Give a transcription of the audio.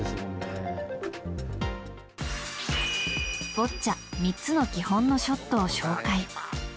ボッチャ３つの基本のショットを紹介。